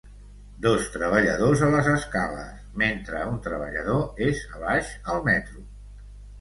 Dos treballadors a les escales, mentre un treballador és a baix al metro